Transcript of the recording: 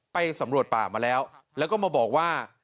ไปสำรวจป่ามาแล้วแล้วก็มาบอกว่า